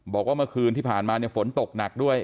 บอกว่าเมื่อคืนที่ผ่านมาเนี่ยฝนตกหนักด้วย